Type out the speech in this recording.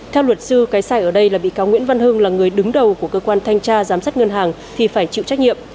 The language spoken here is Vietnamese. theo luật sư cái sai ở đây là bị cáo nguyễn văn hưng là người đứng đầu của cơ quan thanh tra giám sát ngân hàng thì phải chịu trách nhiệm